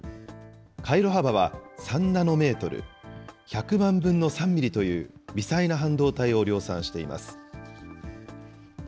回路幅は３ナノメートル、１００万分の３ミリという微細な半導体を量産しています。